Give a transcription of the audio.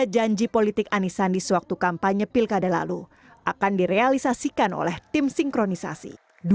tiga janji politik anies sandi sewaktu kampanye pilkada lalu akan direalisasikan oleh tim sinkronisasi